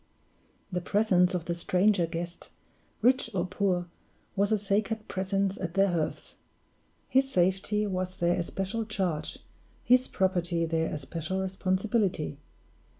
The presence of the stranger guest, rich or poor, was a sacred presence at their hearths. His safety was their especial charge, his property their especial responsibility.